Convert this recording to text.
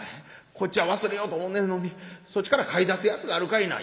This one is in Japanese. こっちは忘れようと思てるのにそっちからかい出すやつがあるかいな」。